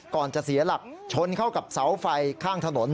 ก่อนจะเสียหลักชนเข้ากับเสาไฟข้างถนน